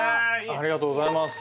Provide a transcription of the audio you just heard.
ありがとうございます